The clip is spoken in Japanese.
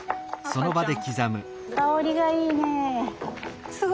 香りがいいね。